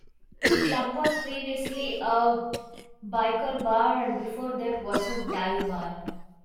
The club was previously a biker bar and before that was a dive bar.